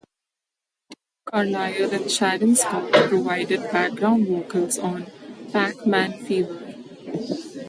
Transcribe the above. Steve Carlisle and Sharon Scott provided background vocals on "Pac-Man Fever".